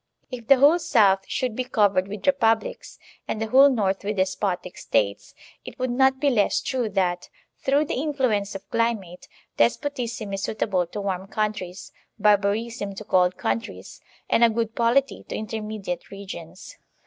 If the whole south should be covered with republics, and the whole north with despotic States, it would not be less true that, through the influence of climate, despotism is suitable to warm countries, barbarism to cold countries, and a good polity to intermediate regions.